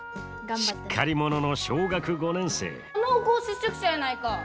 しっかり者の小学５年生濃厚接触者やないか。